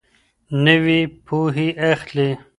نوي پوهي اخلي